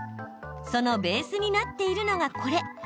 そのベースになっているのが、これ。